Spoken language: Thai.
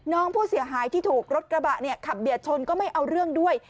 น้องผู้เสียหายที่ถูกรถกระบะเนี่ยขับเบียดชนก็ไม่เอาเรื่องด้วย